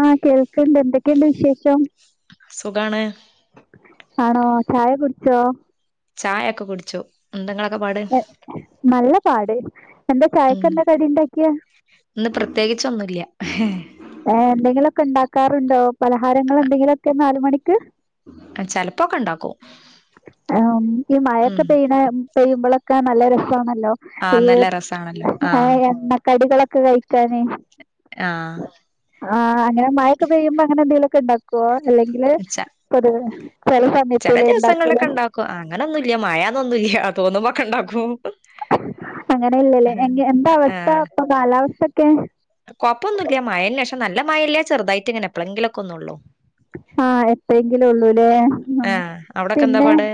ആഹ് കേൾക്കണ്ട് എന്തൊക്കെയുണ്ട് വിശേഷം സുഖാണ് ആണോ ചായ കുടിച്ചോ ചായ ഒക്കെ കുടിച്ചോ എന്തെങ്ങള പാട് എ നല്ല പാട് എന്താ ഉം ചായക്കെന്താ കടിയ്ണ്ടാക്കിയെ ഇന്ന് പ്രത്യേകിച്ചൊന്നുല്ല ഏഹ് എന്തെങ്കിലുക്കെ ഉണ്ടാക്കാറുണ്ടോ പലഹാരങ്ങൾ എന്തെങ്കിലുമൊക്കെ നാല് മണിക്ക് ചെലപ്പൊക്കെ ഉണ്ടാക്കും ആ ഈ മഴയൊക്കെ ഉം പെയ്യ്ണ പെയ്യുമ്പള് തിന്നാൻ നല്ല രസമാണല്ലോ ആഹ് ഈ നല്ല രസാണല്ലോ ആഹ് എണ്ണ കടികളൊക്കെ കഴിക്കാന് ആ ആഹ് അങ്ങനെ മയയൊക്കെ പെയ്യുമ്പൊ അങ്ങനെന്തെലൊക്ക്ണ്ടാക്കും [unintelligible] അല്ലെങ്കില് ച കൊതുക് ചില സമയത്ത് ചെല ഉണ്ടാക്കല് ദിവസങ്ങളിലൊക്കെ ഉണ്ടാക്കും അങ്ങനൊന്നുല്ല മഴ ഒന്നുല്ല തോന്നുമൊക്കെ ഇണ്ടാക്കും അങ്ങനെയില്ലല്ലേ എ എന്താ അവസ്ഥ ഇപ്പൊ കാലാവസ്ഥയൊക്കെ കൊഴപ്പൊന്നുംല്ല മഴല്ല പക്ഷെ നല്ല മഴയില്ല ചെറുതായിട്ട് ഇങ്ങനെ എപ്പോഴെങ്കിലുംക്കെ ഒന്ന് ഉള്ളൂ ആഹ് എപ്പോയങ്കിലുംള്ളൂല്ലേ ആഹ് അവിടൊക്കെ എന്താ പിന്നെ പാട്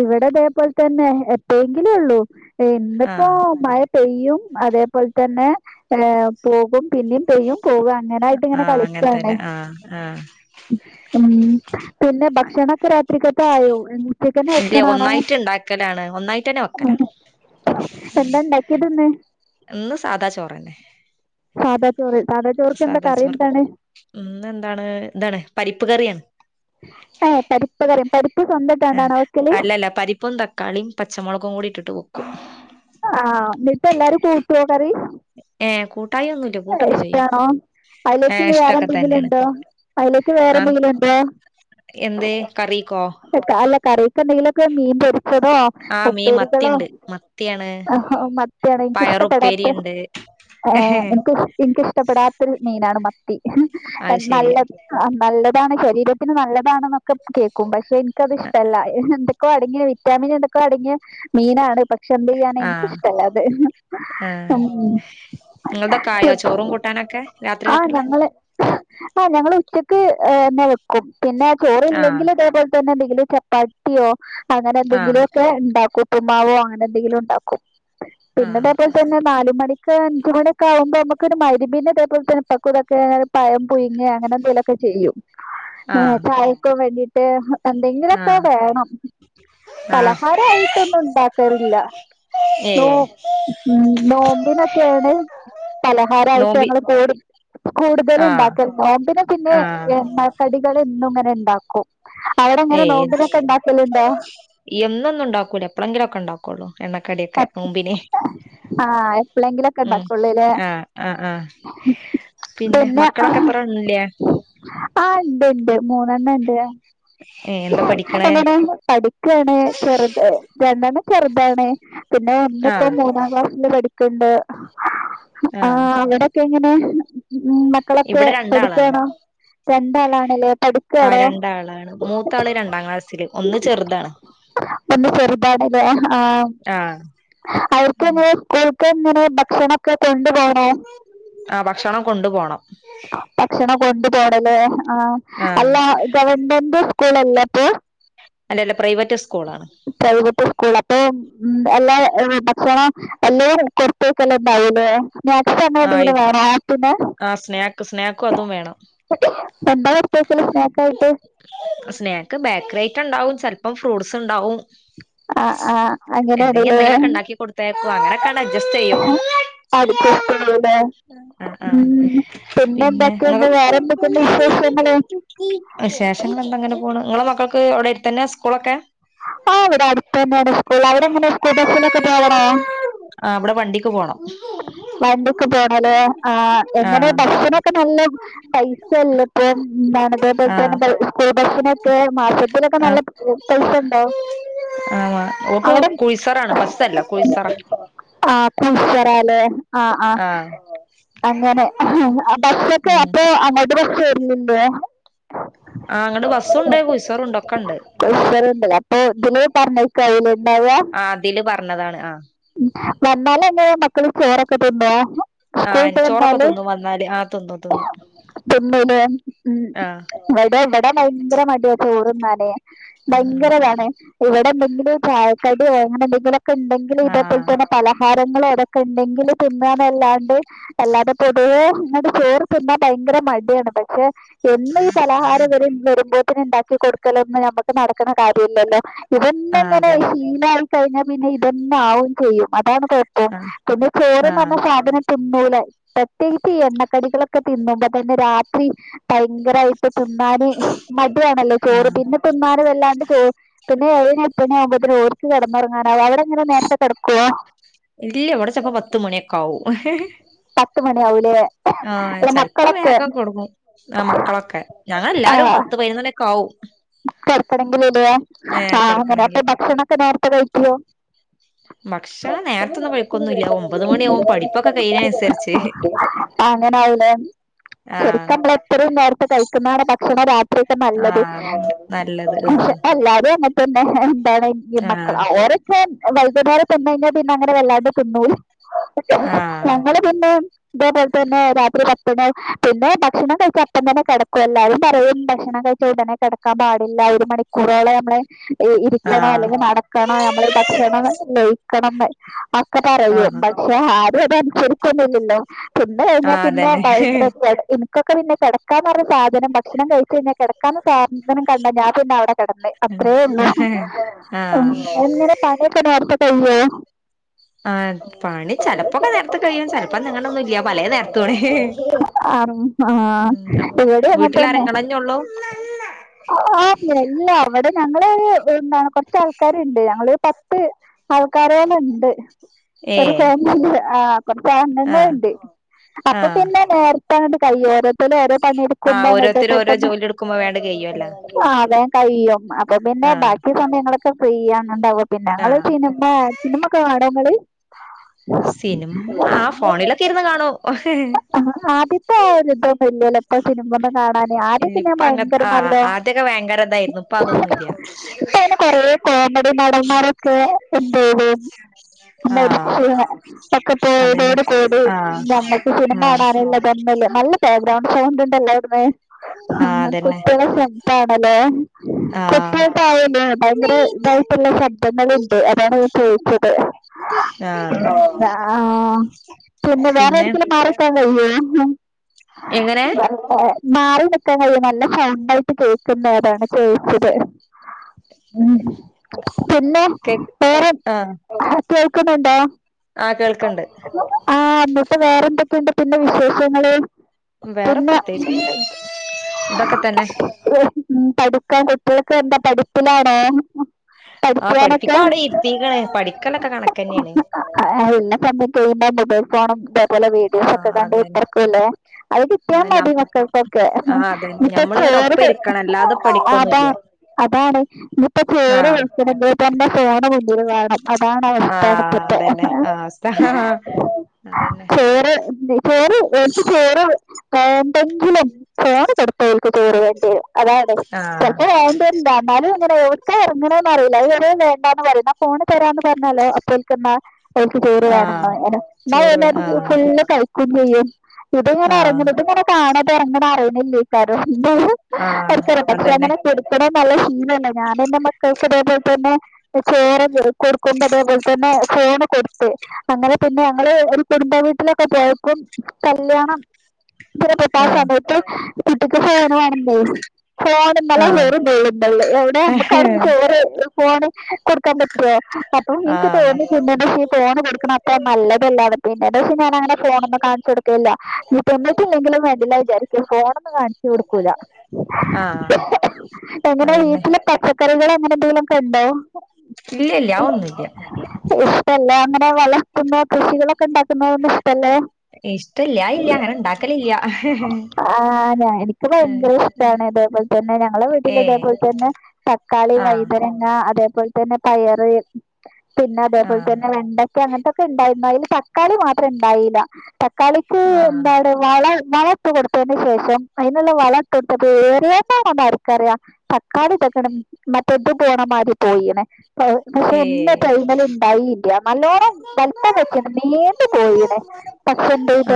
ഇവിടെ അതേപോലെ തന്നെ എപ്പോഴെക്കിലോള്ളൂ ഇന്നിപ്പോ ആഹ് മഴ പെയ്യും അതേപോലെത്തന്നെ ഹേ പോകും പിന്നെയും പെയ്യും പോവ അങ്ങനെയായിട്ട് ഇങ്ങനെ കളിക്കാണ് ആ ആ ഉം പിന്നെ ഭക്ഷണക്കേ രാ ഉച്ചക്കത്തെക്കായോ ഉച്ചക്കെന്നെ വെക്കണാണോ ഉണ്ടാക്കലാണ് എന്താ ഇണ്ടാക്കിയത് ഇന്ന് ഇന്ന് സാദാ ചോറെന്നെ സാദാ ചോറ് സാദാ ചോറ്ക്ക് എന്താ കറിയ എന്താണ് ഇന്ന് എന്താണ് എന്താണ് പരിപ്പ് കറിയാണ് ഹാ പരിപ്പ് കറിയും പരിപ്പ് സ്വന്തായിട്ടാണോ വെക്കല് ഇല്ല പരിപ്പും ത തക്കാളീം പച്ചമൊളകും കൂടിയിട്ടിട്ട് വെക്കും ആഹ് എന്നിട്ട് എല്ലാരും കൂട്ടോ കറി ഏഹ് കൂട്ടായി ഒന്നൂല്ല കൂട്ടൊക്കെ ചെയ്യും ഇഷ്ടാണോ അതിലേക്ക് ഏഹ് ഇനി ഇഷ്ടൊക്കെ വേറെന്തെങ്കിലും തന്നെയാണ് ഉണ്ടോ അതിലേക്ക് വേറെ എന്തെങ്കിലും ഉണ്ടോ എന്ത്യേ കറിക്കോ അല്ല കറിയൊക്കെന്തെങ്കിലൊക്കെ മീൻ പൊരിച്ചതോ ആഹ് മീൻ ഉപ്പേരികളോ മത്തിണ്ട് മത്തിയാണ് മത്തിയാണെനിക്കിഷ്ടപ്പെടാത്ത്ത് പയറുപ്പേരിണ്ട് ആഹ് ഇങ്ങക്ക് എനക്ക്ഷ്ടപ്പെടാത്തൊരു മീനാണ് മത്തി അത് ശെരി നല്ല നല്ലതാണ് ശരീര പിന്നെ നല്ലതാണെന്നൊക്കെ കേൾക്കും പക്ഷെ എനിക്കത് ഇഷ്ടമല്ല ഇപ്പൊ അടങ്ങിയ വിറ്റാമിൻ ഇതൊക്കെ അടങ്ങിയ മീനാണ് ഇപ്പൊ ചെമ്പ് ബിരിയാണി എനിക്ക് ആഹ് ഇഷ്ടല്ല അത് ഉം നിങ്ങളടെക്കെ ആയോ ചോറും കൂട്ടാനൊക്കെ ആഹ് രാത്രിയിലേക്കുള്ള ഞങ്ങള് ആഹ് ഞങ്ങൾ ഉച്ചക്ക് തന്നെ വെക്കും പിന്നെ ചോറ് ആഹ് ഇല്ലെങ്കിൽ ഇതേപോലെ പിന്നെ എന്തെങ്കിലും ചപ്പാത്തിയോ അങ്ങനെ ആഹ് എന്തെങ്കിലുക്കെ ഉണ്ടാക്കും ഉപ്പു മാവോ അങ്ങനെ എന്തെങ്കിലും ഉണ്ടാക്കും ആഹ് പിന്നതേ പോലെ തന്നെ നാല് മണിക്ക് അഞ്ച് മണി ആവുമ്പോ നമുക്ക് ഒരു മഹ് രിബ്ന് ഇതേപോലെ തന്നെ ഇപ്പക്കും ഇതൊക്കെ പയം പുയ്ങ്ങേ അങ്ങനെന്തെലൊക്കെ ചെയ്യും ആഹ് ചായക്കോ വേണ്ടീട്ട് എന്തെങ്കിലൊക്കെ ആഹ് വേണം ആഹ് പലഹാരായിട്ടൊന്നും ഇണ്ടാക്കാറില്ല നോ ഏഹ് ഉം നോമ്പിനക്കയാണേ പലഹാരമായിട്ട് നോമ്പി ഞങ്ങൾ കൂടു കൂടുതല് ആഹ് ഉണ്ടാക്കും എന്നാമ്പിനെ പിന്നെ ആഹ് കടികൾ എന്നും ഇങ്ങനെ ഉണ്ടാക്കും അവടങ്ങനെ ഏഹ് നോമ്പിനൊക്കെ ഉണ്ടാക്കല് ഉണ്ടോ എന്നൊന്നും ഇണ്ടാക്കൂല എപ്പളെങ്കിലും ഒക്കെ ഉണ്ടാക്കുള്ളൂ എണ്ണക്കടി ഒക്കെ നോമ്പിന് ആഹ് എപ്പളെങ്കിലൊക്കെ ഉമ് ഉണ്ടാക്കുള്ളൂല്ലേ ആഹ് ആഹ് ആഹ് പിന്നെ മക്കളൊക്കെ എത്രല്ല ആഹ് ഇണ്ട്ണ്ട് മൂന്നെണ്ണം ഇണ്ട് ഏഹ് എന്താ പഠിക്കണേ എങ്ങനെ പഠി [unintelligible] ചെറു രണ്ടണ്ണം ചെറുതാണ് പിന്നെ ഒന്നിപ്പോ ആഹ് മൂന്നാം ക്ലാസ്സില് പഠി ബസ്ണ്ട് ആഹ് അവിടെക്കെ എങ്ങനെ മക്കളൊക്കെ ഇവിടെ രണ്ടാളാണ് പഠിക്കണോ രണ്ടാളാണില്ലേ ആഹ് പഠിക്കാണോ രണ്ടാളാണ് മൂത്താള് രണ്ടാം ക്ലാസ്സില് ഒന്ന് ചെറുതാണ് ഒന്ന് കൊറിബാടലോ ഹാ ആഹ് അവർക്കെങ്ങനെ [unintelligible] ഭക്ഷണക്കെ കൊണ്ട് പോ ആഹ് ഭക്ഷണം കൊണ്ടു പോണം ഭക്ഷണം കൊണ്ടു പോണല്ലേ ആഹ് ആഹ് അല്ല ഗവൺമെന്റ് സ്കൂളല്ല പ്പോ അല്ല അല്ല പ്രൈവറ്റ് സ്കൂൾ ആണ് പ്രൈവെറ്റുസ്കൂളാ അപ്പൊ ഉം എല്ലാ ഭക്ഷണം എല്ലാ കൊടുത്തയച്ചു എന്ന പറയുന്ന നെക്സ്റ്റങ്ങോട്ടിനി ആഹ് വേണോ പിന്നെ ആഹ് സ്നാക്ക് സ്നാക്കും അതും വേണം എന്താ കൊട്തയ്‌ക്കല് സ്നാക്ക് ആയിട്ട് സ്നാക്ക് ബേക്കറി ഐറ്റണ്ടാവും ചെലപ്പം ഫ്രൂട്ട്സ്ണ്ടാവും ആഹ് ആഹ് എന്തെങ്കും അങ്ങനെയാണല്ലേ എന്തെങ്കിലൊക്കെ ഇണ്ടാക്കി കൊടുത്തയക്കും അങ്ങനെയൊക്കെ അഡ്ജസ്റ്റ് ചെയ്യും അഡ്ജസ്റ്റ് ആഹ് ആഹ് പിന്നെ എന്തൊക്കെയുണ്ട് വേറെ എന്തൊക്കെയുണ്ട് വിശേഷങ്ങള്? നിങ്ങള് വിശേഷങ്ങൾ എന്താ ഇങ്ങനെ പോണ് ഇങ്ങളെ മക്കൾക്ക് അവിടെടുതന്നെ സ്കൂളൊക്കെ ആഹ് ഇവിടെ അടുത്തന്നെയാണ് സ്കൂൾ അവിടെങ്ങനാ സ്കൂൾ ബസിനൊക്കെ പോകണോ ആഹ് ഇവ്ടെ വണ്ടിക്ക് പോണം വണ്ടിക്ക് പോണല്ലേ ആഹ് എങ്ങനെ ആഹ് ബസ്സി നൊക്കെ നല്ല പൈസയല്ലെ ഇപ്പോ എന്താണ് ആഹ് [unintelligible] സ്കൂൾ ബസ്സിനൊക്കെ മാസത്തിലൊക്കെ നല്ല പൈസ വേണ്ടേ ആന്നോ ഓക്ക് കുഴിസറാണ് ബസ്സല്ല കുഴിസറ [unintelligible] ആഹ് ആഹ് അങ്ങനെ ബസ്സൊക്കെ ഉം അപ്പൊ അങ്ങോ [unintelligible] ആഹ് അങ്ങട് ബസ്സുണ്ട് കുയിസറുണ്ട് ഒക്കെ ഉണ്ട് [unintelligible] അപ്പൊ ഇതില് പറഞ്ഞേക്കാ അയില്ണ്ടായ ഇതില് പറഞ്ഞതാണ് ആഹ് വന്നാല് എങ്ങന മക്കള് ചോറൊക്കെ തിന്നോ ആ സ്കൂൾവിട്ട് ചോറൊക്കെ വന്നാല് തിന്നും വന്നാല് ആ തിന്നും തിന്നും തിന്നല് ഉം ആഹ് അതായത് ഇവിടെ ഭയങ്കര മടിയാ ചോറിന്നാന് ഭയങ്കരതാണ് ഇവിടെ എന്തെങ്കിലും ചായക്കടി അങ്ങനെ എന്തെങ്കിലുംക്കെ ഉണ്ടെങ്കിൽ ആഹ് ഇത് ആഹ് പലഹാരങ്ങൾ എതൊക്കെ ഇണ്ടെങ്കില് തിന്നാനല്ലാണ്ട് അല്ലാതെ പൊതുവേ ഇങ്ങട് ചോറ് തിന്നാ ഭയങ്കര മടിയാണ് പക്ഷെ എന്നും ഈ പലഹാരം ഇവര് വരുമ്പോത്തന് ഇണ്ടാക്കി കൊടുക്കലൊന്നും നമ്മക്ക് നടക്ക്ണ കാര്യല്ലല്ലോ ആ ഇതന്നെങ്ങനെ അതന്നെ ശീലായിക്കഴിഞ്ഞാൽ പിന്നെ ഇതന്നാവും ചെയ്യും അതാണ് കൊഴപ്പം ആഹ് പിന്നെ ആഹ് ചേറ്ന്നറഞ്ഞ സാധനം തിന്നൂല പ്രത്യേകിച്ച് ഈ എണ്ണക്കടികളൊക്കെ തിന്നുമ്പോ തന്നെ രാത്രി ഭയങ്കര ഇപ്പൊ തിന്നാന് മടിയാണല്ലോ ചോറ് ആഹ് തിന്നും [unintelligible] വല്ലാണ്ട് പിന്നെ [unintelligible] ആകുമ്പോ ഓരിക്ക് കിടന്ന്റങ്ങാനാവും അവടെങ്ങനെ നേരത്തെ കെടക്കുവാ ഇല്ല എവിടെ ചിലപ്പോ പത്തു മണിയൊക്കെ ആകും പത്ത് മണി ആവില്ലേ ആഹ് ചെലപ്പോ വേഗം കൊടുക്കും ആ മക്കളൊക്കെ ഞങ്ങ എല്ലാരും പത്ത് പതിനൊന്നു മണിയോക്കെ ആവും കടക്കണെങ്കിലല്ലേ ഏഹ് ആഹ് കെടക്കണെങ്കി അങ്ങനെപ്പ ഭക്ഷണൊക്കെ നേരത്തെ കഴിക്കും ഭക്ഷണം നേരത്തൊന്നും കഴിക്കൊന്നുല്ല ഒമ്പത് മണിയാവും പഠിപ്പൊക്കെ കഴിയണനുസരിച്ച് [unintelligible] അങ്ങനെയല്ലേ ആഹ ഇത്രയും നേരത്തെ കഴിക്കുന്നതാണ് ഭക്ഷണം രാത്രിയൊക്കെ നല്ലത് അതാണ് നല്ലത് ആഹ ല്ലതും പിന്നെ എന്താണ് ഈ മക്കൾ ആഹ് ഓരൊക്കെ വൈകുന്നേരം തിന്ന് കഴിഞ്ഞ പിന്നെ അങ്ങനെ വല്ലാണ്ട് തിന്നൂല ആഹ [unintelligible] ഇതേപോലെ തന്നെ രാത്രി പപ്പടം പിന്നെ ഭക്ഷണം കഴിച്ച അപ്പം തന്നെ കിടക്കും എല്ലാരും പറയും ഭക്ഷണം ഉടനെ കിടക്കാൻ പാടില്ല ഒരു മണിക്കൂറോളം നമ്മളെ ഇരിക്കണോ ആഹ് അല്ലെങ്കിൽ നട- ണ നമ്മൾ ഭക്ഷണം കഴിക്കണംന്ന് ഒക്കെ പറയും ആഹ് പക്ഷെ ആരും അതനുസരിക്കൊന്നില്ലല്ലോ തിന്ന് ആഹ് കഴിഞ്ഞാൽ പിന്നെ അതന്നെ ക്ക പിന്നെ കിടക്കാന്ന് പറഞ്ഞ സാധനം ഭക്ഷണം കഴിച്ച്കഴിഞ കിടക്കാന്നു സാ അ കണ്ട ഞാൻ പിന്നെ അവിടെ കിടന്ന് അത്രേ ഉള്ളൂ ആഹ് പണി ഒക്കെ നേരെത്തെ കഴിയുവോ ആ പണി ചെലപ്പോക്കെ നേർത്തെ കഴിയും ചെലപ്പോ അങ്ങനൊന്നുംല്ല പലേ നേര്ത്തുആണ് ആറ വീട്ടില് ആരാ ഇങ്ങളന്നെ ഉള്ളൂ അല്ല അവിടെ ഞങ്ങള് എന്താണ് കൊറച്ച് ആൾക്കാരുണ്ട് ഞങ്ങള് പത്ത് ആൾക്കാരേൽ ഉണ്ട് ഒരു ഏഹ് ഫാമിലി ആ കുറച്ച് അംഗങ്ങള ആഹ് ഉണ്ട് അപ്പൊ ആഹ് പിന്നെ നേ ഇപ്പ അങ്ങട്ട് കഴിയും ഓരോതര് ഓരോ പണിയെടുക്കുമ്പോ അങ്ങട്ട് പെട്ടെന്ന് ക്കുമ്പ വേഗം കഴ്യുവല്ലാ ആ അതങ്ങു കഴിയും അപ്പൊ പിന്നെ ആഹ് ബാക്കി സമയങ്ങളൊക്കെ ഫ്രീ ആണണ്ടാവ പിന്നെ ഞങ്ങള് ആഹ് പിന്നെ ഇപ്പൊ സിനിമൊക്കെ കാണുവോ നിങ്ങള് സിനിമ ആ ഫോണിലൊക്കെ ഇരുന്ന് കാണും ആദ്യത്തെ ആ ഒരു ഇത് ഇല്പ്പോ സിനിമ ഒന്നും കാണാന് ആദ്യൊക്കെ ഞാൻ ഇനിയിപ്പ അങ്ങ ഭയങ്കര ആ നല്ലോ ആദ്യൊക്കെ ഭയങ്കര ഇതായിരുന്നു ഇപ്പ അതൊന്നുംല്ല അങ്ങനെ കൊറ കോമഡി നടന്മാര ഒക്കെ എന്ത ഉ [unintelligible] ഒക്കെ അതന്നെ പോയതോട് കൂടി ആഹ് ഞമ്മൾക്ക് സിനിമ ആഹ് കാണാനുള്ള [unintelligible] ബാക്ക്ഗ്രൗണ്ട് സൗണ്ട് ഉണ്ടല്ലോ ആഹ് അങ്ങനെ അതന്നെ കുട്ടികള സൗണ്ട് ഹലോ ആഹ് കുട്ടികൾ [unintelligible] ഭയങ്കര ഇതായിട്ടുള്ള ശബ്ദങ്ങളുണ്ട് അതാണ് ചോദിച്ചത് ആഹ് ആഹ പിന്നെ വേറെ എവിടെക്കെങ്കിലും മാറി നിക്കാൻ കഴിയ്യോ എങ്ങനെ ഏ മാറി നിക്കാൻ കഴിയോ നല്ല സൗണ്ട് ആയിട്ട് കേക്കുന്ന അതാണ് ചോദിച്ചത് ഉ പിന്നെ കേ വേറെ ആഹ് കേൾക്കുന്നുണ്ടോ ആഹ് കേൾക്കണ്ട് ആഹ എന്നിട്ട് വേറെന്തൊക്കെയുണ്ട് പിന്നെ വിശേഷങ്ങള് വേറെ പിന്നെ പ്രത്യേകിച്ച് ഒന്നും ഇല്ല ഇതൊക്കെ തന്നെ പഠിക്കാൻ കുട്ടികൾക്ക് എന്താ പഠിപ്പിലാണോ ആ പഠിക്കാനൊക്കെ പഠിപ്പിക്കാൻ അവിടെ ഇരുത്തീക്കണ് പഠിക്കലൊക്കെ കണക്കന്നെണ് ആ ഹാ എന്നെ കണ്ടിട്ട് ഉമ്മ മൊബൈൽ ഫോണും ബാ ലെ വീഡിയോസ് ഒക്കെ ആഹ് കണ്ട് അതന്നെ കൊറിക്കൂല്ലേ അത് കിട്ടിയാ ആഹ് നം മതി മക്കൾക്കൊക്കെ ഇപ്പ ചോറ് പഠിക്കണം അല്ലാതെ അതാ പഠിക്കൊന്നുംല്ല അതാണ് ഇയിപ്പ ചോര് ആഹ് കഴിക്കണ ഇപ്പ എന്റെ ഫോണ് മുന്നിൽ വേണം അതാണ് അവസ്ഥ ആഹ അതെന്നെ ഇപ്പത്തെ ആ അവ അതന്നെ ചോറ് ചോറ് എനിക്ക് ചേറ് വേണ്ടെങ്കിലും ഫോണ് കൊടു [unintelligible] വേണ്ടി അതാണ് ആഹ് ചെലപ്പോ ഇല്ല എന്നാലുംങ്ങനെ ഓക്ക ഇറങ്ങനെന്ന് അറിയില്ല വേണ്ട എന്ന് പറ ഫോണ് തരാന്ന് പറഞ്ഞാല് ൽക്കുന്ന കു ചോറ് വേണംന്ന് ആഹ് പറയും ചോറ് വേ എന്ന ആഹ് ഫുള് കഴിക്കയും ചെയ്യും ഇത് ഇങ്ങനെ ഇറിങ്ങ ആഹ് ഇത് ഇങ്ങനെ കാണാതങ്ങനെ അറിയുന്നില്ലേക്കാര ആഹ് [unintelligible] പക്ഷേ അതന്നെ അങ്ങനെ കൊടുക്ക് ഇ നല്ല ശീലല്ല ഞാനന്റെ മക്കൾക്ക് അതേപോലെ തന്നെ ചേറ് കൊടുക്കണ്ട് അതേപോലെ പിന്നെ ഫോണ് കൊടുത്ത് അങ്ങനെ പിന്നെ ഞങ്ങള് ഒരു കുടുംബ വീട്ടിലൊക്കെ പോയപ്പം കല്യാണം ഇപ്പെട്ട ആ ആഹ് സമയത്ത് കുട്ടിക്ക് ഫോണ് വേണണ്ടോ ഫോണ് ഇന്നലെ ആഹ് വേറും വെള്ളിന്തള്ളി എവിടെ നമ്മക്കാരും ഫോണ് കൊടുക്കാൻ പറ്റോ അപ്പം ആഹ് പിന്നെ പക്ഷെ ഫോൺ കൊടുക്ക്ണ അത്ര നല്ലതല്ലാന്ന് പിന്നേ ഒരു ദിവസം ഞാൻ അങ്ങനെ ഫോൺ ഒന്ന് കാണിച്ച് കൊട് ഇല്ല ഇല്ല തിന്നിട്ട് ഇല്ലങ്കിലും വിചാരിക്കും ഫോൺ ഒന്നും കാണിച്ചു കൊടുക്കൂല ആഹ എങ്ങടെ വീട്ടില് പച്ചക്കറികൾ അങ്ങനെ എന്തെങ്കിലുമൊക്കെ ഉണ്ടോ ഇല്ല ഇല്ല അതൊന്നും ഇല്ല ഇഷ്ടല്ലേ അങ്ങനെ വളർത്തുന്ന കൃഷികളൊക്കെ ഇണ്ടാക്കുന്നത് ഒന്നും ഇഷ്ടല്ലേ ഇഷ്ടല്ല ഇല്ല അങ്ങനെ ഇണ്ടാക്കലില്ല ആ ഞാൻ എനിക്ക് ഭയങ്കര ഇഷ്ടമാണ് അതേപോലെ തന്നെ ഞങ്ങളെ വീട്ടിൽ ഏഹ് ഇതേപോലെതന്നെ തക്കാളി, ആഹ് വഴ്തന അതേപോലെ തന്നെ പയറ് പിന്ന അതേപലെ ആഹ് തന്നെ വെണ്ട അങ്ങനത്തെക്കെ ഉണ്ടായിരുന്നു അയില് തക്കാളി മാത്രം ഉണ്ടായില്ല തക്കാളിക്ക് ആഹ് എന്താണ് വള വളം ഇട്ട് കൊടുത്തതിന് ശേഷം അതിനുള്ള വളം കൊടുത്തത് [unintelligible] ആർക്കറിയാം തക്കാളി തകണം മറ്റേ ഇതു പോണമാരി പോയിണ് ഏഹ് ഇന്നലെ ഉണ്ടായി ഇല്ല നല്ലോണം വലിപ്പം വെച്ചണ് നീണ്ടു പോയിണ്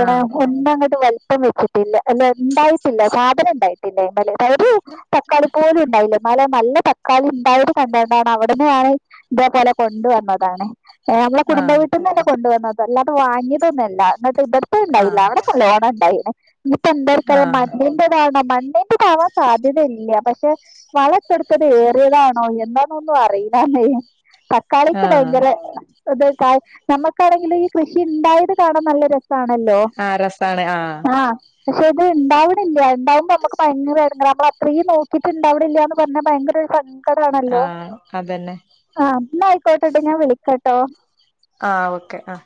ആഹ് ഒന്ന അങ്ങട്ട് വലുപ്പം വെച്ചിട്ടില്ല അല്ല ഉണ്ടായിട്ടില്ല സാധനം ഉണ്ടായിട്ടില്ലേലെ ഒരു തക്കാളി പൂല ഉണ്ടായില്ല എന്നാലെ നല്ല തക്കാളി ഉണ്ടായത് കൊണ്ടണ്ടാണ് അവിടന്ന് ആണ് ഇതേപോലെ കൊണ്ടുവന്നതാണ് നമ്മെള കുടുംബ ആഹ് വീട്ടിന്ന് തന്നെ കൊണ്ടുവന്നത് അല്ലാതെ വാങ്ങിതൊന്നല്ല ഇന്റട്ത് ഉണ്ടായില്ല ആഹ് അവിടെ നല്ലോണം ഉണ്ടായില്ല ഇനിപ്പ എന്ത്‌ ആഹ് മ മണ്ടേക്ക് താവാൻ സാധ്യതയില്ല പക്ഷെ വളം ഇട്ട്കൊടുത്തത് ഏറിയതാണോ എന്താന്നൊന്നും അറയിലാന്നേ കളിക്ക് ആഹ് ഭയങ്കര ഇത് നമുക്കാണെങ്കിലും ഈ കൃഷി ഉണ്ടായത് കാണാൻ നല്ല രസം ആണല്ലോ ആഹ് രസാണ് ആഹ് പക്ഷെ ഇത് ഉണ്ടാവണില്ല ഉണ്ടാവുമ്പോ നമക്ക് ഭയങ്കരമായി നമ്മള അത്രയും നോ ട്ട ഇണ്ടവില്ലന്ന് പറഞ്ഞ ഭയങ്കര സങ്കടാണല്ലോ ആഹ് അതന്നെ ആ കേട്ടിട്ട് ഞാൻ വിളിക്കാട്ടോ ആഹ് ഓക്കെ ആ